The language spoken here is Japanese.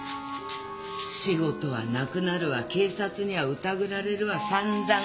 仕事はなくなるわ警察には疑られるわさんざん。